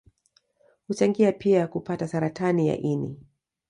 Huchangia pia kupata Saratani ya ini